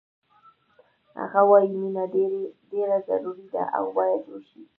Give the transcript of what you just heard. هغه وایی مینه ډېره ضروري ده او باید وشي